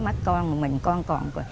mất con mà mình con còn